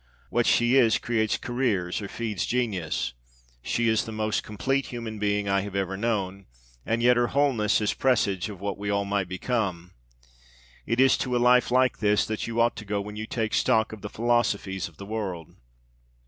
What she is creates careers or feeds genius. She is the most complete human being I have ever known, and yet her wholeness is a presage of what we all might become. It is to a life like this that you ought to go when you take stock of the philosophies of the world!